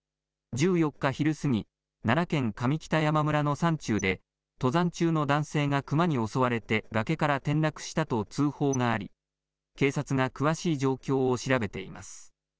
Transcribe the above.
１４日昼過ぎ、奈良県上北山村の山中で、登山中の男性がクマに襲われて崖から転落したと通報があり、警察が詳しい状況を調べています。